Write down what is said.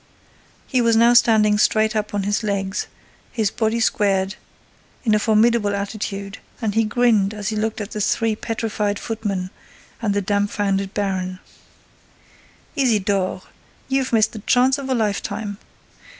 He was now standing straight up on his legs, his body squared, in a formidable attitude, and he grinned as he looked at the three petrified footmen and the dumbfounded baron: "Isidore, you've missed the chance of a lifetime.